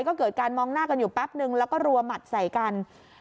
ก็เกิดการมองหน้ากันอยู่แป๊บนึงแล้วก็รัวหมัดใส่กัน